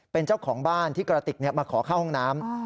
เป็นเจ้าของบ้านที่กระติกมาขอเข้าห้องน้ำ